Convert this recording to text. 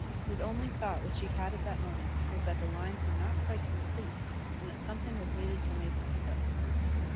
His only thought which he had at that moment was that the lines were not quite complete and that some thing was needed to make them so.